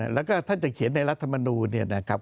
แล้วก็ท่านจะเขียนในรัฐธรรมนูณ์นะครับ